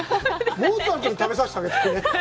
モーツァルトに食べさせてあげて。